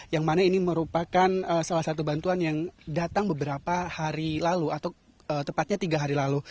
yang mana ini merupakan salah satu bantuan yang datang beberapa hari lalu atau tepatnya tiga hari lalu